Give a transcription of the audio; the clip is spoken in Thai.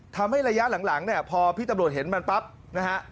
ทำให้ระยะหลังเนี่ยพอพี่ตำรวจเห็นมันปั๊บนะฮะ